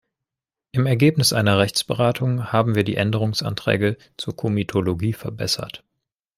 Im Ergebnis einer Rechtsberatung haben wir die Änderungsanträge zur Komitologie verbessert.